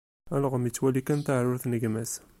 Alɣem ittwali kan taɛrurt n gma-s.